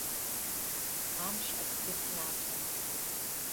Амш акгьы снаҭом.